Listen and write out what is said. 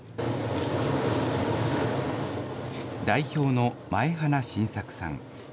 代表の前花晋作さん。